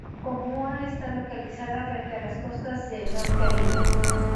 Omoa, está localizada frente a las costas de mar Caribe.